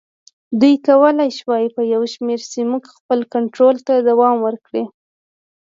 دوی کولای شوای په یو شمېر سیمو خپل کنټرول ته دوام ورکړي.